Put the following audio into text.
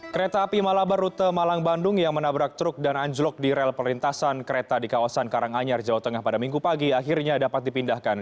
kereta api malabar rute malang bandung yang menabrak truk dan anjlok di rel perlintasan kereta di kawasan karanganyar jawa tengah pada minggu pagi akhirnya dapat dipindahkan